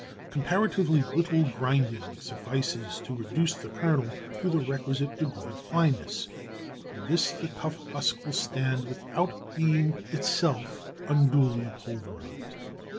Comparatively little grinding suffices to reduce the kernel to the requisite degree of fineness, and this the tough husk will stand without being itself unduly pulverised.